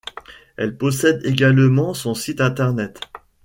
Elle possède également son site internet.